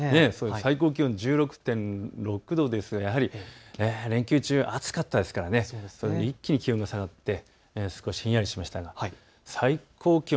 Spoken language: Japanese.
最高気温１６．６度、連休中暑かったですから一気に気温が下がって少しひんやりしましたが最高気温